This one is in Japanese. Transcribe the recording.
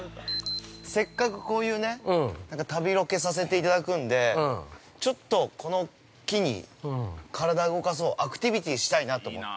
せっかくこういうね、旅ロケさせていただくんで、ちょっとこの機に体を動かそうアクティビティをしたいなと思って。